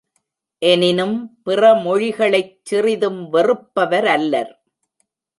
எனினும் பிறமொழிகளைச் சிறிதும் வெறுப்பவரல்லர்.